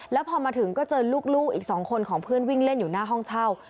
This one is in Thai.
แล้วพอมาถึงก็เจอลูกอีก๒คนของเพื่อนวิ่งเล่นอยู่หน้าห้องเช่า